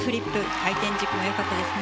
回転軸が良かったですね。